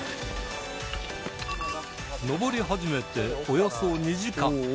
登り始めておよそ２時間